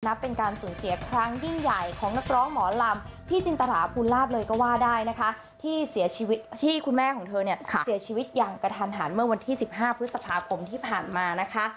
นับเป็นการสูญเสียครั้งยิ่งใหญ่ของนักร้องหมอลำ